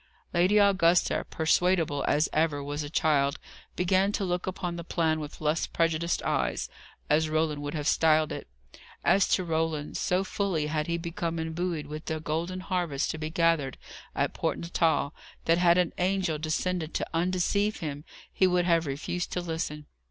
Lady Augusta persuadable as ever was a child began to look upon the plan with less prejudiced eyes as Roland would have styled it. As to Roland, so fully had he become imbued with the golden harvest to be gathered at Port Natal, that had an angel descended to undeceive him, he would have refused to listen.